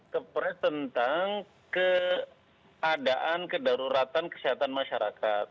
kepres tentang keadaan kedaruratan kesehatan masyarakat